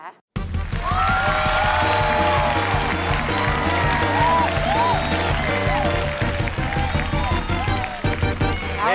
โอเค